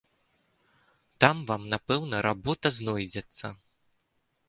Там вам, напэўна, работа знойдзецца.